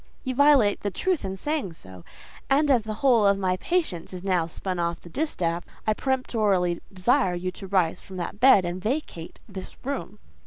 "You violate the truth in saying so; and as the whole of my patience is now spun off the distaff, I peremptorily desire you to rise from that bed, and vacate this room."